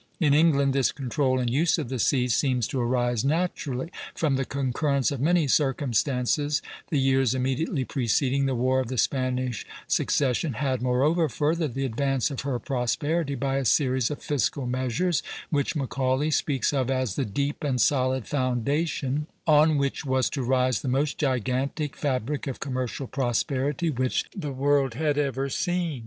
In England, this control and use of the sea seems to arise naturally, from the concurrence of many circumstances; the years immediately preceding the War of the Spanish Succession had, moreover, furthered the advance of her prosperity by a series of fiscal measures, which Macaulay speaks of as "the deep and solid foundation on which was to rise the most gigantic fabric of commercial prosperity which the world had ever seen."